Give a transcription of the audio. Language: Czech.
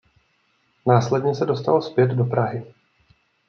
Následně se dostal zpět do Prahy.